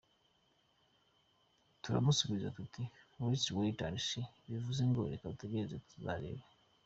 Turamusubiza tuti “let’s wait and see”, bivuze ngo “reka dutegereze tuzarebe”.